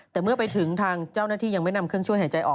แต่เมื่อไปถึงทางเจ้าหน้าที่ยังไม่นำเครื่องช่วยหายใจออก